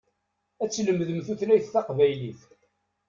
Ad tlemdem tutlayt taqbaylit.